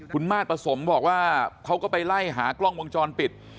คุณมาสประสมบอกว่าเขาก็ไปไล่หากล้องวงจรปิด